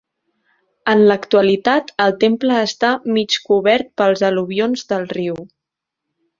En l'actualitat el temple està mig cobert pels al·luvions del riu.